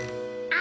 あ！